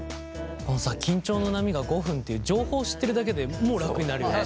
緊張の波が５分っていう情報を知ってるだけでもう楽になるよね。